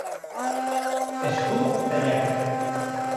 Escut tallat.